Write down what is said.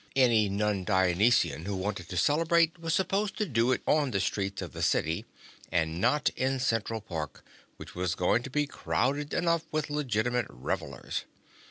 Any non Dionysian who wanted to celebrate was supposed to do it on the streets of the city, and not in Central Park, which was going to be crowded enough with legitimate revelers.